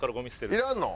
いらんの？